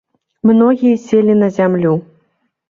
Многія селі на зямлю.